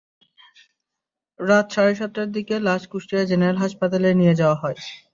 রাত সাড়ে সাতটার দিকে লাশ কুষ্টিয়া জেনারেল হাসপাতালে নিয়ে যাওয়া হয়।